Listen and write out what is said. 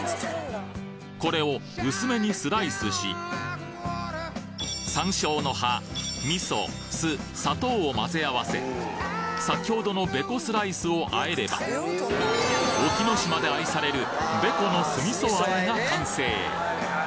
これを薄めにスライスし山椒の葉味噌酢砂糖を混ぜ合わせさきほどのベコスライスを和えれば隠岐の島で愛されるが完成！